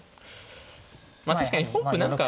確かに本譜何か。